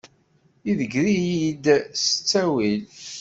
Idegger-iyi-d s ttawil.